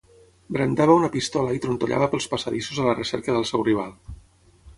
Brandava una pistola i trontollava pels passadissos a la recerca del seu rival.